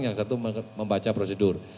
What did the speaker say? yang satu membaca prosedur